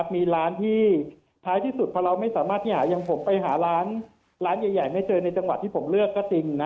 มีร้านที่ท้ายที่สุดพอเราไม่สามารถที่ผมไปหาร้านใหญ่ไม่เจอในจังหวัดที่ผมเลือกก็จริง